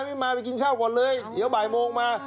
ไม่มาไปกินข้าวก่อนเลยเดี๋ยวบ่ายโมงมา